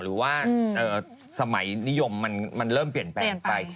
หรือว่าสมัยนิยมมันเริ่มเปลี่ยนแปลงไป